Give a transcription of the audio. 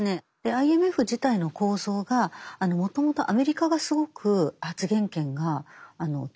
ＩＭＦ自体の構造がもともとアメリカがすごく発言権が強いところなんです。